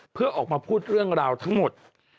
เพื่อออกมาพูดเรื่องราวทั้งหมด